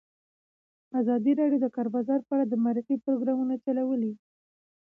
ازادي راډیو د د کار بازار په اړه د معارفې پروګرامونه چلولي.